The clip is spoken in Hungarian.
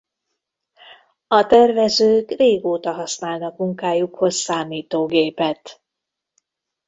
A tervezők régóta használnak munkájukhoz számítógépet.